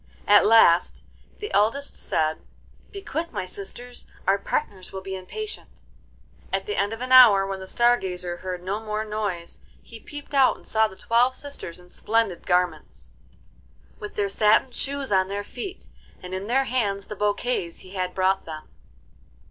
At last the eldest said, 'Be quick, my sisters, our partners will be impatient.' At the end of an hour, when the Star Gazer heard no more noise, he peeped out and saw the twelve sisters in splendid garments, with their satin shoes on their feet, and in their hands the bouquets he had brought them.